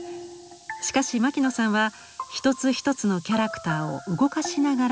しかし牧野さんは一つ一つのキャラクターを動かしながら撮影。